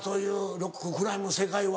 ロッククライムの世界は。